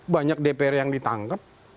banyak dpr yang ditangkap